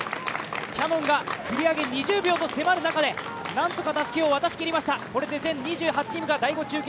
キヤノンが繰り上げ２０秒と迫る中で、何とかたすき渡しができました。